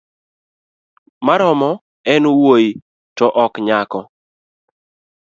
Maromo en wuoyi to ok nyako